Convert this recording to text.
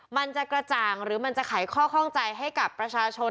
มันจะกระจ่างหรือมันจะไขข้อข้องใจให้กับประชาชน